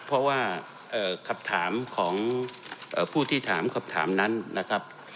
เพราะว่าคำถามของผู้ที่ถามคำถามนั้นนะครับ